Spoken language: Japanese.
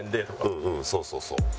うんうんそうそうそう。